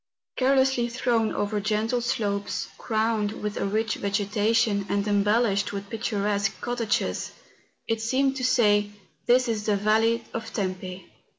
Carelessly thrown over gentle slopes, crowned with a rich vegetation, and embellished with picturesque cottages, it seemed to say, ^ This is the Yale of Tempo.